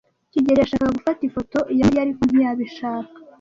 kigeli yashakaga gufata ifoto ya Mariya, ariko ntiyabishaka.